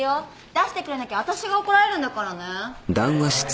出してくれなきゃあたしが怒られるんだからね。